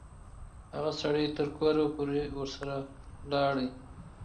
هغه سړی تر کوره پوري ورسره ولاړی.